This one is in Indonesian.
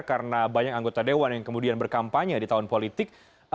karena banyak anggota dewan yang kemudian berkampanye di tahun politik